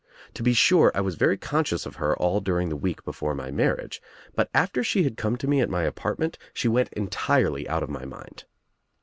To be sure I was very conscious of her all during the week before my marriage, but after she had come to me at my apartment she went entirely out of my mind.